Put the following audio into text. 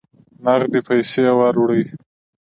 نغدي پیسې وروړي.